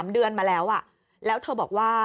๓เดือนมาแล้วแล้วเธอบอกว่า